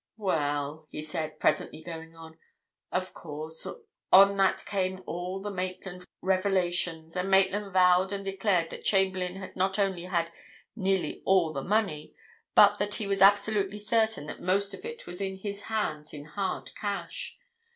"Well," he said, presently going on, "of course, on that came all the Maitland revelations, and Maitland vowed and declared that Chamberlayne had not only had nearly all the money, but that he was absolutely certain that most of it was in his hands in hard cash.